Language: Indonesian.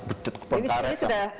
ini sudah berjalan